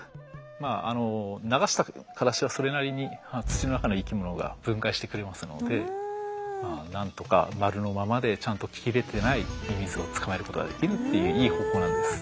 まあ流したカラシはそれなりに土の中の生き物が分解してくれますのでなんとか丸のままでちゃんと切れてないミミズを捕まえることができるっていういい方法なんです。